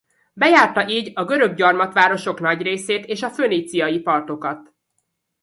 Bejárta így a görög gyarmatvárosok nagy részét és a föníciai partokat.